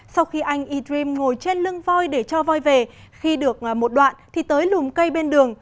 sau khi anh e dream ngồi trên lưng voi để cho voi về khi được một đoạn thì tới lùm cây bên đường